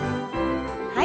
はい。